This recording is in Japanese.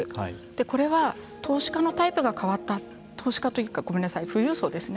これは投資家のタイプが変わった投資家というか富裕層ですね。